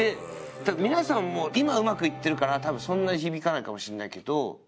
皆さんはもう今うまくいってるから多分そんなに響かないかもしれないけど。